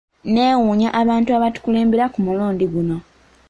Nneewuunya abantu abatukulembera ku mulundi guno.